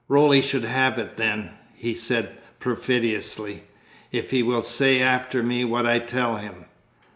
"Roly shall have it, then," he said perfidiously, "if he will say after me what I tell him.